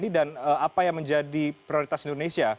dan apa yang menjadi prioritas indonesia